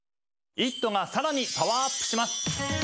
「イット！」が更にパワーアップします。